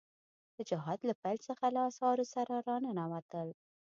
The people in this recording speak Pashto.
د جهاد له پيل څخه له اسعارو سره را ننوتل.